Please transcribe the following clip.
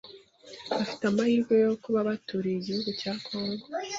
bafite amahirwe yo kuba baturiye igihugu cya Congo,